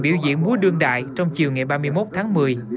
biểu diễn múa đương đại trong chiều ngày ba mươi một tháng một mươi